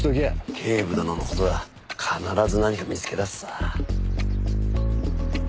警部殿の事だ必ず何か見つけ出すさ。